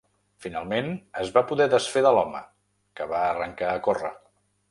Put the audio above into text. Finalment, es va poder desfer de l’home, que va arrencar a córrer.